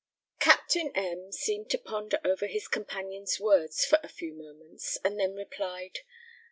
Captain M seemed to ponder over his companion's words for a few moments, and then replied.